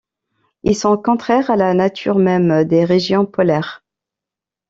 Ils sont contraires à la nature même des régions polaires!...